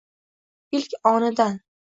Ilk onidan